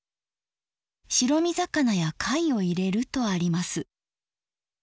白身魚や貝を入れるとあります。